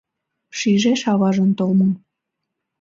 Шижеш аважын толмым.